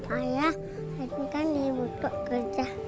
ayah saya juga butuh kerja